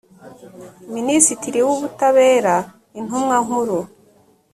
minisitiri w ubutabera intumwa nkuru